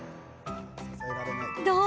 どう？